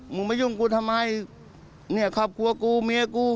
มึงมายุ่งกูทำไมเนี่ยครอบครัวกูเมียกู